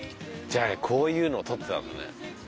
じゃあこういうのをとってたんだね。